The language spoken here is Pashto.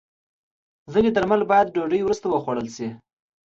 ځینې درمل باید د ډوډۍ وروسته وخوړل شي.